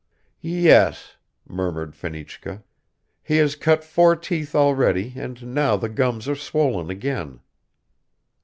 "Yes," murmured Fenichka, "he has cut four teeth already and now the gums are swollen again."